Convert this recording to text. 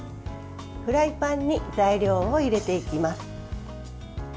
フライパンに材料を入れていきます。